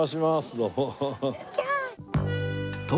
どうも。